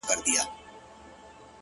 هغه نن بيا د واويلا خاوند دی ـ